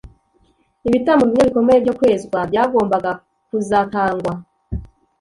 Ibitambo bimwe bikomeye byo kwezwa byagombaga kuzatangwa.